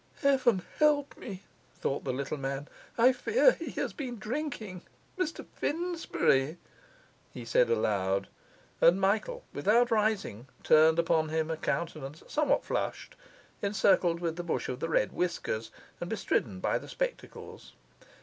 'Heaven help me!' thought the little man, 'I fear he has been drinking! Mr Finsbury,' he said aloud; and Michael, without rising, turned upon him a countenance somewhat flushed, encircled with the bush of the red whiskers, and bestridden by the spectacles.